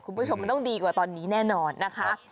คุณผู้ชมมันต้องดีกว่าตอนนี้แน่นอนนะคะ